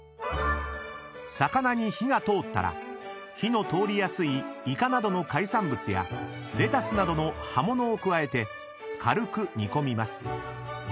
［魚に火が通ったら火の通りやすいイカなどの海産物やレタスなどの葉物を加えて軽く煮込みます］